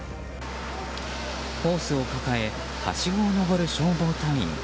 ホースを抱えはしごを上る消防隊員。